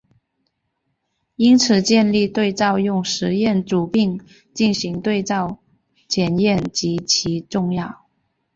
因此建立对照用实验组并进行对照检验极其重要。